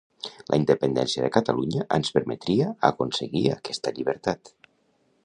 La independència de Catalunya ens permetria aconseguir aquesta llibertat